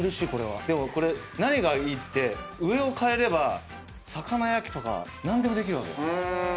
これ何がいいって上を換えれば魚焼きとか何でもできるわけよ。